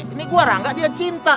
ini gua rangka dia cinta